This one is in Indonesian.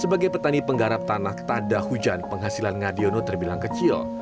sebagai petani penggarap tanah tanda hujan penghasilan ngadiono terbilang kecil